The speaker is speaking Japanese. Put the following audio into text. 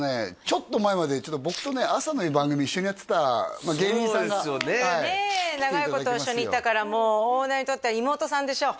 ちょっと前まで僕とね朝の番組一緒にやってた芸人さんがはい長いこと一緒にいたからオーナーにとっては妹さんでしょ？